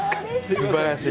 すばらしい。